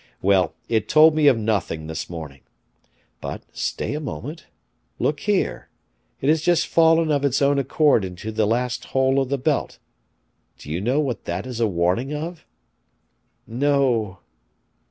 Well, it told me of nothing this morning. But, stay a moment look here, it has just fallen of its own accord into the last hole of the belt. Do you know what that is a warning of?" "No."